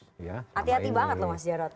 hati hati banget loh mas jarod